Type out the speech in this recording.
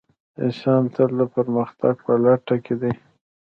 انسان تل د پرمختګ په لټه کې دی.